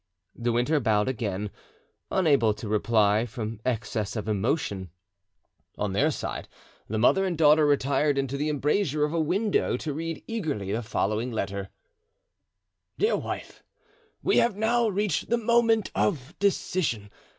De Winter bowed again, unable to reply from excess of emotion. On their side the mother and daughter retired into the embrasure of a window to read eagerly the following letter: "Dear Wife,—We have now reached the moment of decision.